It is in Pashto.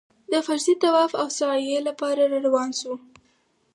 د فرضي طواف او سعيې لپاره راروان شوو.